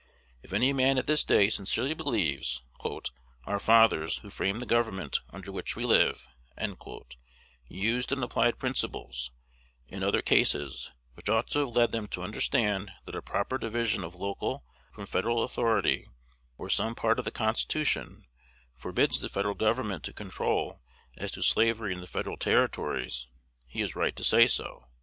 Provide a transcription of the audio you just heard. If any man at this day sincerely believes "our fathers, who framed the government under which we live," used and applied principles, in other cases, which ought to have led them to understand that a proper division of local from Federal authority, or some part of the Constitution, forbids the Federal Government to control as to slavery in the Federal Territories, he is right to say so.